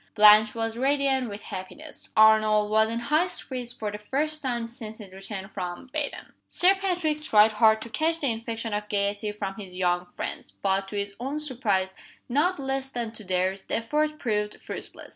Blanche was radiant with happiness, Arnold was in high spirits for the first time since his return from Baden. Sir Patrick tried hard to catch the infection of gayety from his young friends; but, to his own surprise, not less than to theirs, the effort proved fruitless.